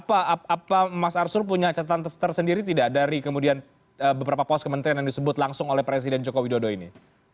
apa mas arsul punya catatan tersendiri tidak dari kemudian beberapa pos kementerian yang disebut langsung oleh presiden joko widodo ini